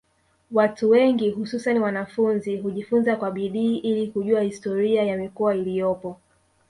Watu wengi hususani wanafunzi hujifunza kwa bidii ili kujua historia ya mikoa iliyopo